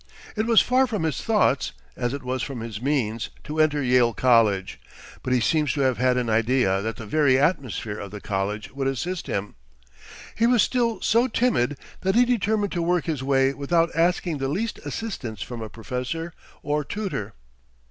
It was far from his thoughts, as it was from his means, to enter Yale College; but he seems to have had an idea that the very atmosphere of the college would assist him. He was still so timid that he determined to work his way without asking the least assistance from a professor or tutor.